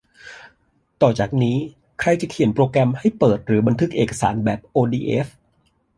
ต่อจากนี้ ใครจะเขียนโปรแกรมให้เปิดหรือบันทึกเอกสารแบบโอดีเอฟ